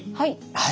はい。